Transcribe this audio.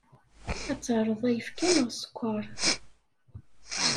Ad terreḍ ayefki neɣ sskeṛ?